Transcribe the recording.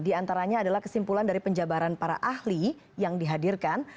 di antaranya adalah kesimpulan dari penjabaran para ahli yang dihadirkan